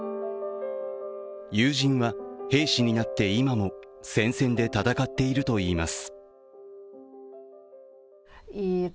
友人は兵士になって今も戦線で戦っているといいます。